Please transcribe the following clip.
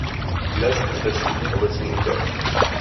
Dnes zde sídlí obecní úřad.